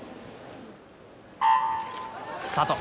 スタート。